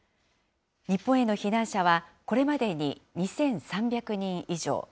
日本への避難者はこれまでに２３００人以上。